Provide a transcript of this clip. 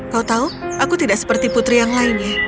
kau tahu aku tidak seperti putri yang lainnya